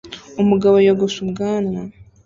Umugabo yogosha ubwanwa